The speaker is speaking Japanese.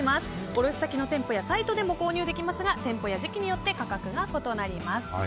卸先の店舗やサイトでも購入できますが店舗や時期によって価格が異なります。